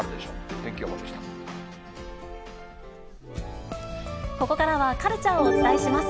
天気予ここからは、カルチャーをお伝えします。